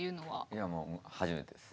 いやもう初めてです。